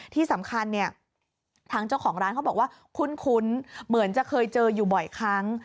ที่สำคัญเนี่ยทางเจ้าของร้านเขาบอกว่าคุ้นเหมือนจะเคยเจออยู่บ่อยครั้ง